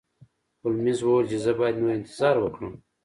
هولمز وویل چې زه باید نور انتظار وکړم.